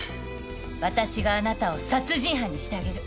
私があなたを殺人犯にしてあげる。